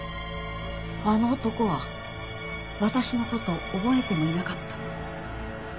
あの男は私の事覚えてもいなかった。